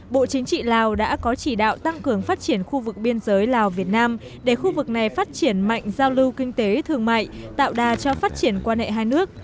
bộ chính trị lào đã có chỉ đạo tăng cường phát triển khu vực biên giới lào việt nam để khu vực này phát triển mạnh giao lưu kinh tế thương mại tạo đà cho phát triển quan hệ hai nước